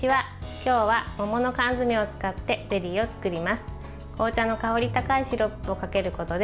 今日は、桃の缶詰を使ってゼリーを作ります。